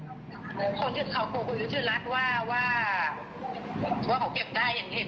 คนที่เขาพูดให้ชื่อร้านว่าว่า